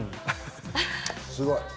すごい。